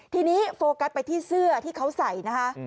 ทีนี้โฟกัสไปที่เสื้อที่เขาใส่นะคะ